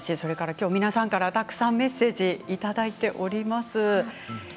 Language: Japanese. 今日、皆さんからたくさんメッセージをいただいております。